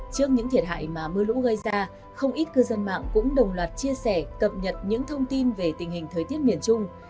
trước những thiệt hại mà mưa lũ gây ra không ít cư dân mạng cũng đồng loạt chia sẻ cập nhật những thông tin về tình hình thời tiết miền trung